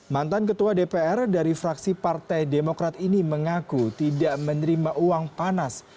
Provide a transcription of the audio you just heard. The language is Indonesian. mantan ketua dpr dari fraksi partai demokrat ini mengaku tidak menerima uang panas